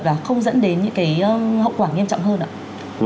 và không dẫn đến những cái hậu quả nghiêm trọng hơn ạ